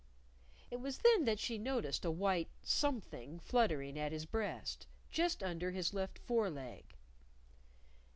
It was then that she noticed a white something fluttering at his breast, just under his left fore leg.